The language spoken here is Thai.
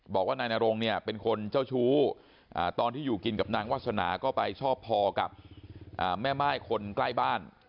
บอกว่านายนรงเนี่ยเป็นคนเจ้าชู้ตอนที่อยู่กินกับนางวาสนาก็ไปชอบพอกับแม่ม่ายคนใกล้บ้าน